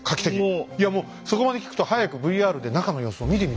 いやもうそこまで聞くと早くＶＲで中の様子を見てみたいですね。